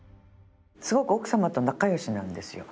すごく奥様と仲良しなんですよ